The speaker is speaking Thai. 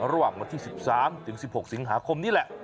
ระหว่างวันที่๑๓๑๖สิงหาคมนี่แหละ